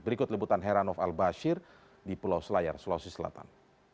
berikut liputan heranov al bashir di pulau selayar sulawesi selatan